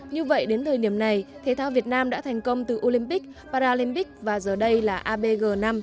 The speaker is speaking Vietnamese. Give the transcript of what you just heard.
như vậy đến thời điểm này thể thao việt nam đã thành công từ olympic paralympic và giờ đây là abg năm